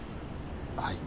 はい。